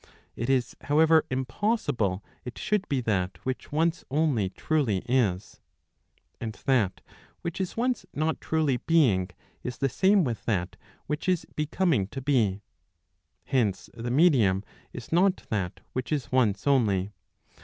It is however impossible it should be that which once only truly is. And that which is once not truly being is the same with that which is becoming to be. Hence the medium is not that which is once only.